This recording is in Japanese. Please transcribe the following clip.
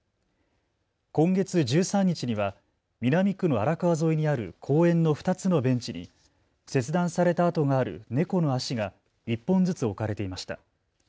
今月１３日には南区の荒川沿いにある公園の２つのベンチに切断された痕がある猫の足が１本ずつ置かれていました。